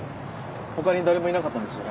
他に誰もいなかったんですよね。